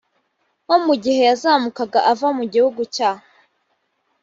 nko mu gihe yazamukaga ava mu gihugu cya